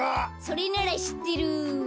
それならしってる。